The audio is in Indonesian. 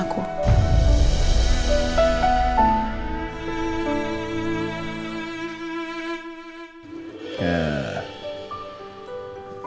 lagi pengen ketemu sama aku